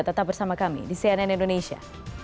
tetap bersama kami di cnn indonesia